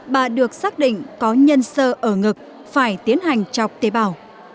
bà được xác định có nhân sơ ở ngực phải tiến hành chọc tế bào